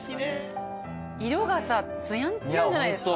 色がさつやんつやんじゃないですか？